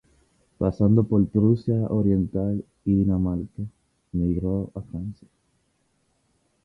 Pasando por Prusia Oriental y Dinamarca, emigro a Francia.